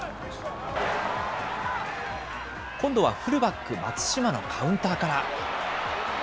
今度はフルバック、松島のカウンターから。